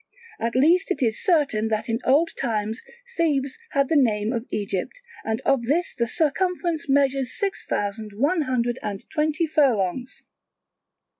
At least it is certain that in old times Thebes had the name of Egypt, and of this the circumference measures six thousand one hundred and twenty furlongs.